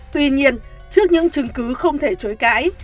tuy nhiên trước những chứng cứ không thể chối cãi